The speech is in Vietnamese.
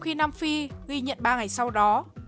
khi nam phi ghi nhận ba ngày sau đó